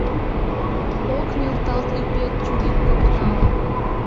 Ок нӧлталт ӱпет чурик копнала.